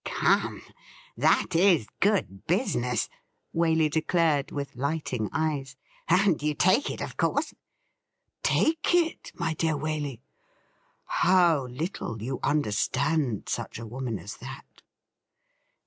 'Come! that is good business,' Waley declared, with lighting eyes ;' apd you take it, of course .?'' Take it, my dear Waley ? How little you understand such a woman as that.'